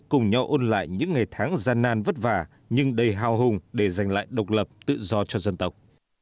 cùng nhau ôn lại những ngày tháng gian nan vất vả nhưng đầy hào hùng để giành lại độc lập tự do cho dân tộc